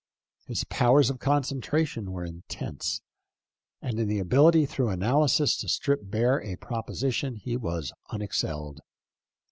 His powers of concentration were intense, and in the ability through analysis to strip bare a proposition he was unexcelled.